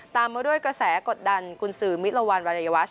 ตามมาด้วยกระแสกดันกุญสือมิตรวรรณรายยาวาช